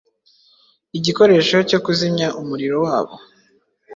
Igikoresho cyo kuzimya umuriro wabo